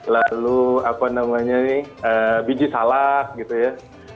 lalu apa namanya ini biji salak gitu ya